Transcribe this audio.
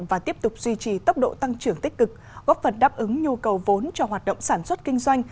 và tiếp tục duy trì tốc độ tăng trưởng tích cực góp phần đáp ứng nhu cầu vốn cho hoạt động sản xuất kinh doanh